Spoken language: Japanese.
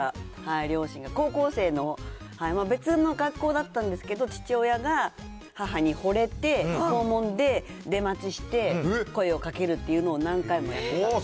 両親が、高校生の、別の学校だったんですけど、父親が母にほれて、校門で出待ちして、声をかけるっていうのを何回もやったって。